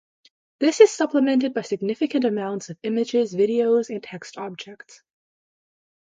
This is supplemented by significant amounts of images, videos and text objects.